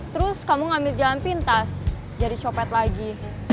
terus kamu ngambil jalan pintas jadi copet lagi